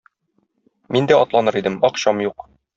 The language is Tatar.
Мин дә атланыр идем - акчам юк.